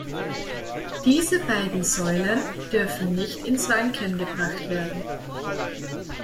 Diese beiden Säulen dürfen nicht ins Wanken gebracht werden.